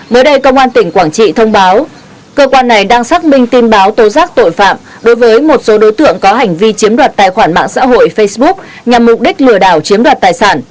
mới đây công an tỉnh quảng trị thông báo cơ quan này đang xác minh tin báo tố giác tội phạm đối với một số đối tượng có hành vi chiếm đoạt tài khoản mạng xã hội facebook nhằm mục đích lừa đảo chiếm đoạt tài sản